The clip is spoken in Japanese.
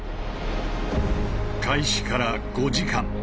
開始から５時間。